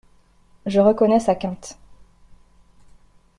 Je reconnais sa quinte.